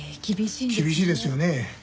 厳しいですよね。